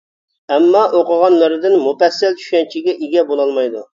ئەمما ئوقۇغانلىرىدىن مۇپەسسەل چۈشەنچىگە ئىگە بولالمايدۇ.